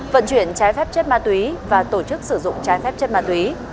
vận chuyển trai phép chất ma túy và tổ chức sử dụng trai phép chất ma túy